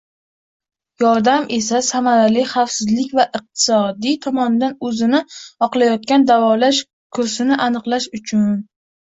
Yordam esa «samarali, xavfsiz va iqtisodiy tomondan o‘zini oqlaydigan davolash kursini aniqlash uchun